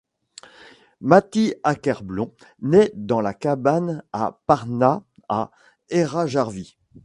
Matti Åkerblom naît dans la cabane de Pärnä à Eräjärvi.